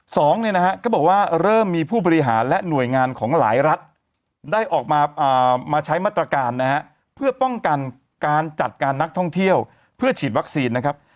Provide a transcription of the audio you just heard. สองเนี่ยนะฮะก็บอกว่าเริ่มมีผู้บริหารและหน่วยงานของหลายรัฐได้ออกมามาใช้มาตรการนะฮะเพื่อป้องกันการจัดการนักท่องเที่ยวเพื่อฉีดวัคซีนนะครับ